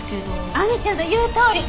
亜美ちゃんの言うとおり！